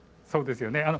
そうですよね。